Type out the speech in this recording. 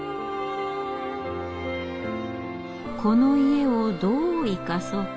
この家をどう生かそうか。